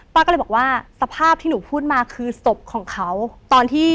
ป้าก็เลยบอกว่าสภาพที่หนูพูดมาคือศพของเขาตอนที่